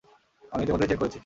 আমি ইতিমধ্যেই চেক করেছি।